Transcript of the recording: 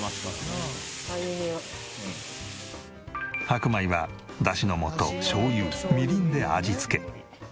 白米はだしの素しょうゆみりんで味付け。